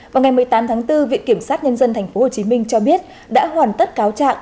vào ngày một mươi tám tháng bốn viện kiểm sát nhân dân tp hcm cho biết đã hoàn tất cáo trạng